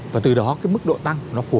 và từ đó cái mức độ tăng nó phù hợp